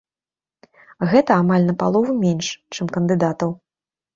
Гэта амаль на палову менш, чым кандыдатаў.